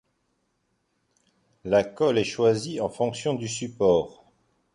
La colle est choisie en fonction du support.